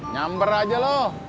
nyamper aja loh